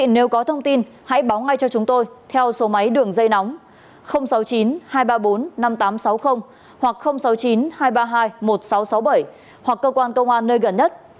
nếu có thông tin hãy báo ngay cho chúng tôi theo số máy đường dây nóng sáu mươi chín hai trăm ba mươi bốn năm nghìn tám trăm sáu mươi hoặc sáu mươi chín hai trăm ba mươi hai một nghìn sáu trăm sáu mươi bảy hoặc cơ quan công an nơi gần nhất